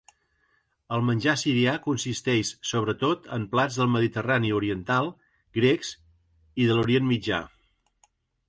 El menjar sirià consisteix sobretot en plats del Mediterrani oriental, grecs, i de l'Orient Mitjà.